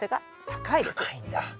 高いんだ。